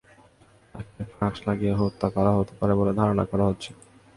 তাঁকে ফাঁস লাগিয়ে হত্যা করা হতে পারে বলে ধারণা করা হচ্ছে।